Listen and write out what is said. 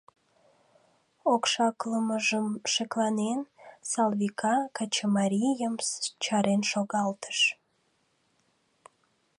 Окшаклымыжым шекланен, Салвика качымарийым чарен шогалтыш.